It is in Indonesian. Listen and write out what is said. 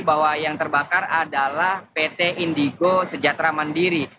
bahwa yang terbakar adalah pt indigo sejahtera mandiri